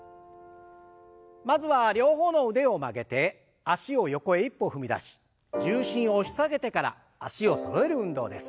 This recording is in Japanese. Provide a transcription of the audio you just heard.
まずは両方の腕を曲げて脚を横へ一歩踏み出し重心を押し下げてから脚をそろえる運動です。